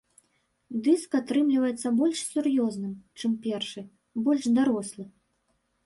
Дыск атрымліваецца больш сур'ёзным, чым першы, больш дарослы.